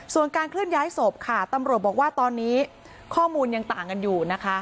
ส่วนการเคลื่อนย้ายศพค่ะตำรวจบอกว่าตอนนี้ข้อมูลยังต่างกันอยู่นะคะ